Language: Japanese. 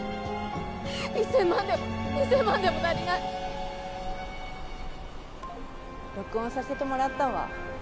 １，０００万でも２，０００万でも足録音させてもらったわ。